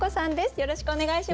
よろしくお願いします。